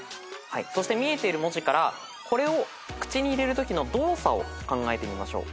そして見えている文字からこれを口に入れるときの動作を考えてみましょう。